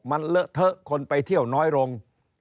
มันเลอะเทอะคนไปเที่ยวน้อยลง